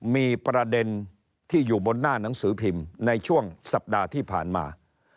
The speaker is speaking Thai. มีประเด็นที่อยู่บนหน้าหนังสือพิมพ์ในช่วงสัปดาห์ที่ผ่านมา